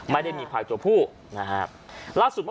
ไม่ได้มีควายตัวผู้นะครับ